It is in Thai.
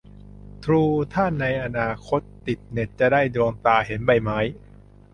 ทรู - ถ้าในอนาคตติดเน็ตจะได้ดวงตาเห็นใบไม้